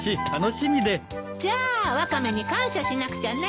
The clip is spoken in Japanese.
じゃあワカメに感謝しなくちゃね。